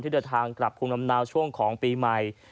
ทางกลับพรุ่งลำนาวช่วงของปีใหม่